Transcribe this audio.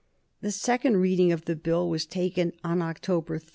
The second reading of the Bill was taken on October 3.